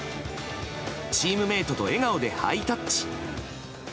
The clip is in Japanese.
チームメートと笑顔でハイタッチ。